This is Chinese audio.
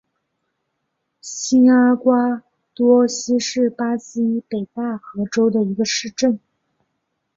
新阿瓜多西是巴西北大河州的一个市镇。